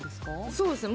そうですね。